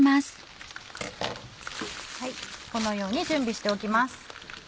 このように準備しておきます。